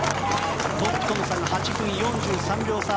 トップとの差が８分４８秒差